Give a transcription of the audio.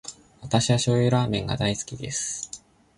私は醤油ラーメンが大好きです。